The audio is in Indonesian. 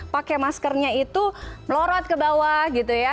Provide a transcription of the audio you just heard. pakai maskernya itu melorot ke bawah gitu ya